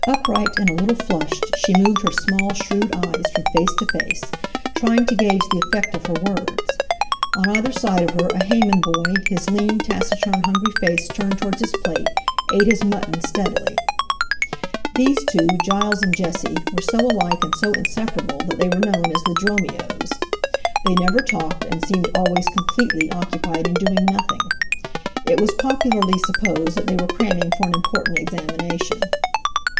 Upright and a little flushed, she moved her small, shrewd eyes from face to face, trying to gauge the effect of her words. On either side of her a Hayman boy, his lean, taciturn, hungry face turned towards his plate, ate his mutton steadily. These two, Giles and Jesse, were so alike and so inseparable that they were known as the Dromios. They never talked, and seemed always completely occupied in doing nothing. It was popularly supposed that they were cramming for an important examination.